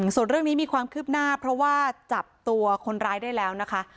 ส่วนเรื่องนี้มีความคืบหน้าเพราะว่าจับตัวคนร้ายได้แล้วนะคะ